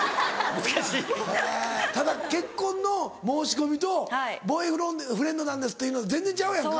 ただ結婚の申し込みとボーイフレンドなんですっていうの全然ちゃうやんか。